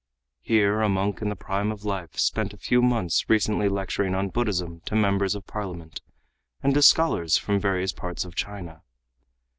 Here a monk in the prime of life spent a few months recently lecturing on Buddhism to members of parliament and to scholars from various parts of China.